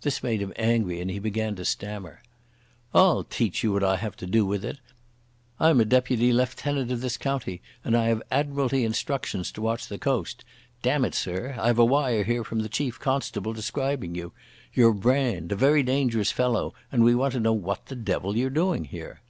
This made him angry and he began to stammer. "I'll teach you what I have to do with it. I'm a deputy lieutenant of this county, and I have Admiralty instructions to watch the coast. Damn it, sir, I've a wire here from the Chief Constable describing you. You're Brand, a very dangerous fellow, and we want to know what the devil you're doing here."